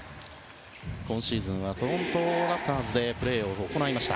今シーズンはトロント・ラプターズでプレーを行いました。